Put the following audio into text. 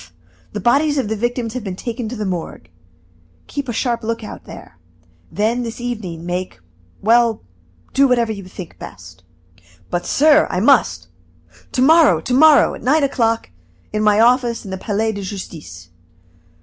the bodies of the victims have been taken to the Morgue. Keep a sharp lookout there. Then, this evening make well do whatever you think best." "But, sir, I must " "To morrow! to morrow, at nine o'clock, in my office in the Palais de Justice."